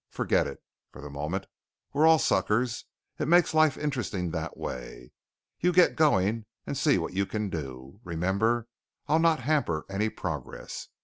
Forget it, for the moment. We're all suckers. It makes life interesting that way. You get going and see what you can do. Remember, I'll not hamper any progress.